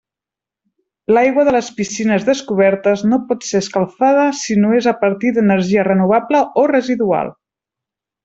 L'aigua de les piscines descobertes no pot ser escalfada si no és a partir d'energia renovable o residual.